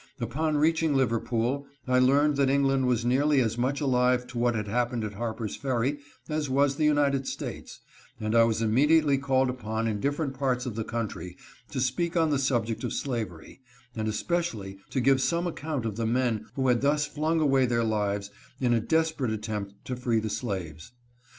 Upon reaching Liverpool I learned that England was nearly as much alive to what had happened at Harper's Ferry as was the United States, and I was immediately called upon in different parts of the country to speak on the subject of slavery, and espe cially to give some account of the men who had thus flung away their lives in a desperate attempt to free the slaves.